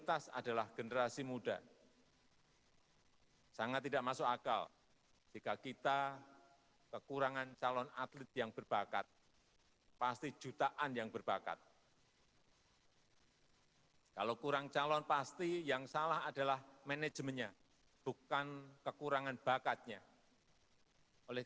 assalamu'alaikum warahmatullahi wabarakatuh